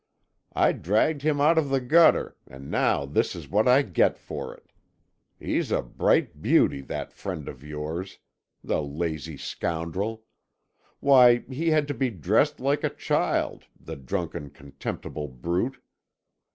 I dragged him out of the gutter and now this is what I get for it. He's a bright beauty, that friend of yours. The lazy scoundrel. Why, he had to be dressed like a child, the drunken contemptible brute.